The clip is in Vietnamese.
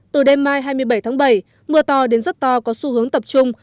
từ đêm mai hai mươi bảy tháng bảy mưa to đến rất to có xu hướng tập trung